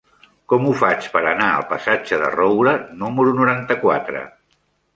Com ho faig per anar al passatge de Roura número noranta-quatre?